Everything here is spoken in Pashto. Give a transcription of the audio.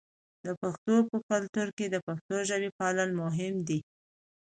د پښتنو په کلتور کې د پښتو ژبې پالل مهم دي.